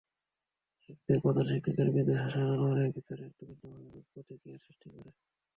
একদিন প্রধান শিক্ষকের মৃদু শাসন আনোয়ারের ভেতরে একটু ভিন্নভাবে প্রতিক্রিয়ার সৃষ্টি করে।